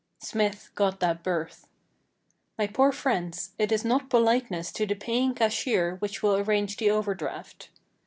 Smith got that berth. My poor friends, it is not politeness to the paying cashier which will arrange the overdraft.